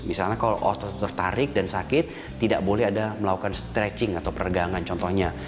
misalnya kalau otot tertarik dan sakit tidak boleh ada melakukan stretching atau peregangan contohnya